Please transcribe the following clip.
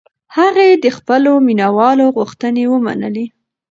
هغې د خپلو مینهوالو غوښتنې ومنلې.